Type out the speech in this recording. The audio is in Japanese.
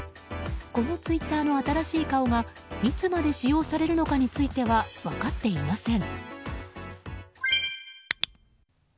このツイッターの新しい顔がいつまで使用されるのかについては分かっていません。